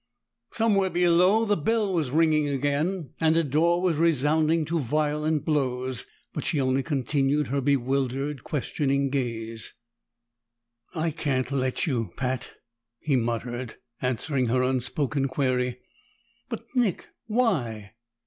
Somewhere below the bell was ringing again, and a door was resounding to violent blows, but she only continued her bewildered, questioning gaze. "I can't let you, Pat!" he muttered, answering her unspoken query. "But Nick why?"